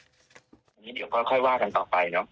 อันนี้เดี๋ยวค่อยว่ากันต่อไปเนอะ